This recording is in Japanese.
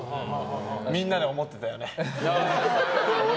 みんなで思ってたよね？